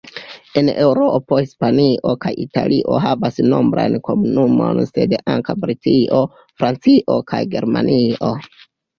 En Eŭropo, Hispanio kaj Italio havas nombrajn komunumojn sed ankaŭ Britio, Francio kaj Germanio.